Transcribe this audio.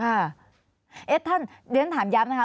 แต่ก็ทำเป็นเวลาหลายปีนะครับ